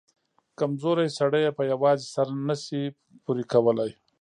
کمزورى سړى يې په يوازې سر نه سي پورې کولاى.